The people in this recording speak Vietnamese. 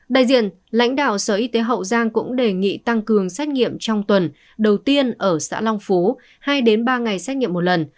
đại diện lãnh đạo sở y tế hậu giang cũng đề nghị tăng cường xét nghiệm trong tuần đầu tiên ở xã long phú hai ba ngày xét nghiệm một lần